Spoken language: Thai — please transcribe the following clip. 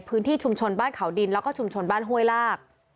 พื้นที่ชุมชนบ้านเขาดินแล้วก็ชุมชนบ้านห้วยลาก